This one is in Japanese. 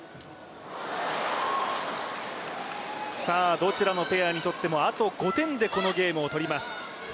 どちらのペアにとっても、あと５点でこのゲームを取ります。